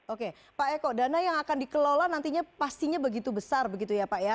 oke pak eko dana yang akan dikelola nantinya pastinya begitu besar begitu ya pak ya